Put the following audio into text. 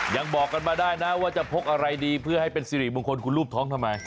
ยังบอกกันมาได้นะว่าจะพกอะไรดีเพื่อให้เป็นสิริมงคลคุณรูปท้องทำไม